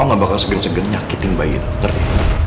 lo gak bakal seger seger nyakitin bayi itu ngerti